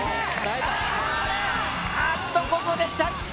・あっとここで着水。